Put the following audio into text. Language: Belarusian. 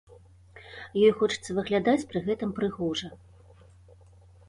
Ёй хочацца выглядаць пры гэтым прыгожа.